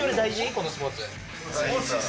このスポーツ。